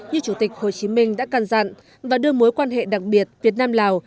như chủ tịch hồ chí minh đã căn dặn và đưa mối quan hệ đặc biệt việt nam lào